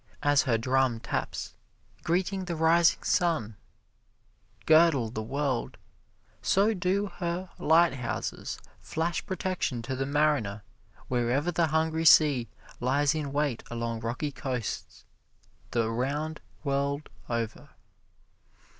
As her drum taps, greeting the rising sun, girdle the world, so do her lighthouses flash protection to the mariner wherever the hungry sea lies in wait along rocky coasts, the round world over.